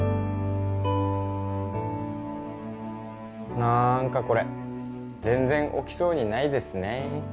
なんかこれ全然起きそうにないですね。